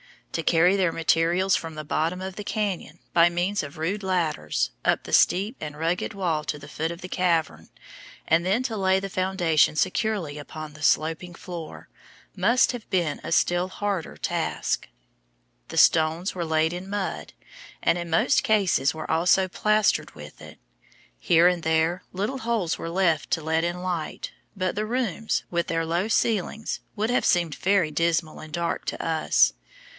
To carry their materials from the bottom of the cañon, by means of rude ladders, up the steep and rugged wall to the foot of the cavern, and then to lay the foundation securely upon the sloping floor, must have been a still harder task. The stones were laid in mud, and in most cases were also plastered with it. Here and there little holes were left to let in light, but the rooms, with their low ceilings, would have seemed very dismal and dark to us.